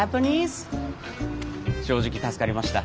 正直助かりました。